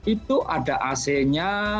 itu ada ac nya